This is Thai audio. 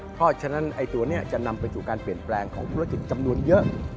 เพราะฉะนั้นตัวนี้จะนำไปสู่การเปลี่ยนแปลงของธุรกิจจำนวนเยอะ